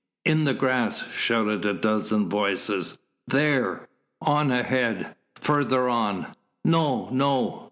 "In the grass!" shouted a dozen voices. "There!" "On ahead!" "Further on!" "No! no!